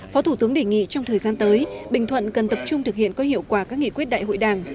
phó thủ tướng đề nghị trong thời gian tới bình thuận cần tập trung thực hiện có hiệu quả các nghị quyết đại hội đảng